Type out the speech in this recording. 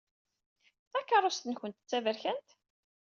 Takeṛṛust-nwent d taberkant?